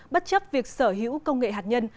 bất chấp việc sở hữu công nghệ hạt nhân